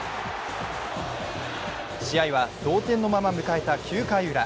試合は同点のまま迎えた９回ウラ。